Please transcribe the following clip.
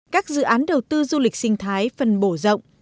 các dự án đầu tư du lịch sinh thái phân bổ rộng